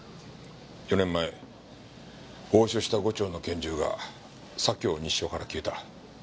４年前押収した５丁の拳銃が左京西署から消えた。